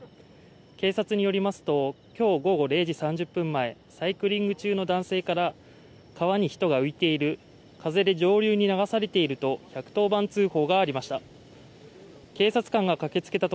警察によりますと今日午後０時３０分前、サイクリング中の男性から、川に人が浮いている、風で上流に流されていると１１０番通報がありました。